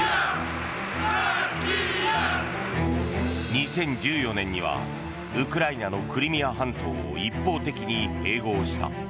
２０１４年にはウクライナのクリミア半島を一方的に併合した。